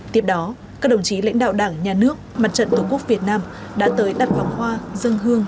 tiếp đó các đồng chí lãnh đạo đảng nhà nước mặt trận tổ quốc việt nam đã tới đặt vòng hoa dân hương